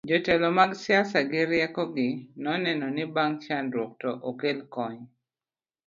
jotelo mag siasa gi rieko gi noneno ni bang' chandgruok to okel kony